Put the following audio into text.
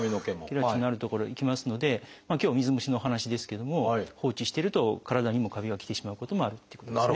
ケラチンのある所へ行きますので今日は水虫のお話ですけども放置してると体にもカビが来てしまうこともあるっていうことですね。